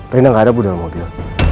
rena gak ada pun ngomong dia